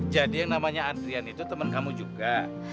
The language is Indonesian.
jadi yang namanya adrian itu temen kamu juga